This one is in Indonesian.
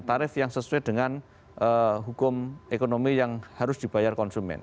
tarif yang sesuai dengan hukum ekonomi yang harus dibayar konsumen